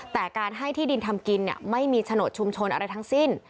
แต่การให้ที่ดินทำกินไม่มีโฉนดชุมชนอะไรทั้งสิ้น